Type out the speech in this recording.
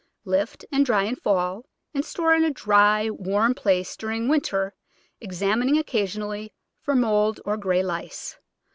Lift and dry in fall and store in a dry, warm place during winter, exam ining occasionally for mould or grey lice.